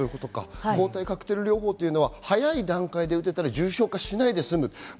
抗体カクテル療法というのは早い段階で打てたら重症化しないで済む。